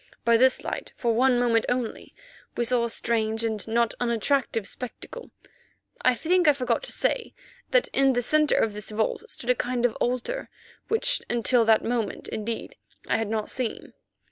By this light, for one moment only, we saw a strange, and not unattractive spectacle. I think I forgot to say that in the centre of this vault stood a kind of altar, which until that moment, indeed, I had not seen.